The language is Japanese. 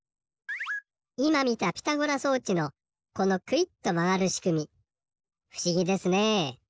いまみたピタゴラ装置のこのクイッとまがるしくみふしぎですね。